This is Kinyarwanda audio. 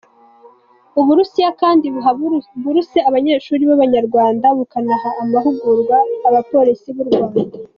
U Burusiya kandi buha buruse abanyeshuri b’Abanyarwanda bukanaha amahugurwa abapolisi b’u Rwanda.